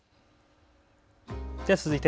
続いて＃